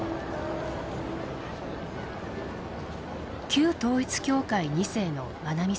旧統一教会２世のまなみさん。